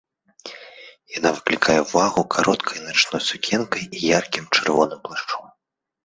Яна выклікае ўвагу кароткай начной сукенкай і яркім чырвоным плашчом.